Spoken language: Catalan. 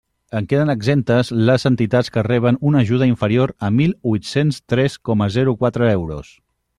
En queden exemptes les entitats que reben una ajuda inferior a mil huit-cents tres coma zero quatre euros.